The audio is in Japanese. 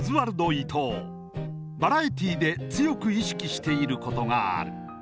バラエティーで強く意識していることがある。